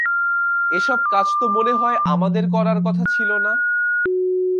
এসব কাজ তো মনে হয় আমাদের করার কথা ছিল না!